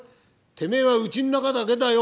てめえは家の中だけだよ。